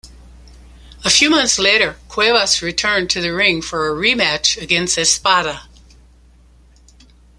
A few months later, Cuevas returned to the ring for a rematch against Espada.